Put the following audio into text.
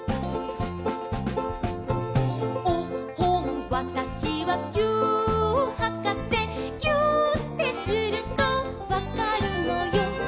「おっほんわたしはぎゅーっはかせ」「ぎゅーってするとわかるのよ」